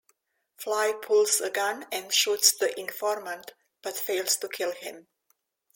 Fly pulls a gun and shoots the informant, but fails to kill him.